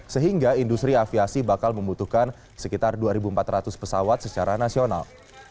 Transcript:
sehingga industri aviasi bakal membutuhkan sekitar dua empat ratus pesawat secara nasional